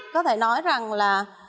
có thể nói rằng là